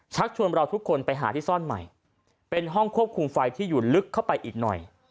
ชวนเราทุกคนไปหาที่ซ่อนใหม่เป็นห้องควบคุมไฟที่อยู่ลึกเข้าไปอีกหน่อย